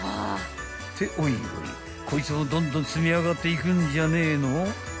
［っておいおいこいつもどんどん積み上がっていくんじゃねえの］